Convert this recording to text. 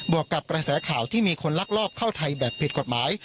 วกกับกระแสข่าวที่มีคนลักลอบเข้าไทยแบบผิดกฎหมาย